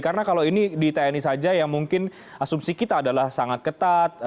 karena kalau ini di tni saja ya mungkin asumsi kita adalah sangat ketat